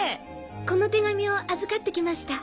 この手紙を預かって来ました。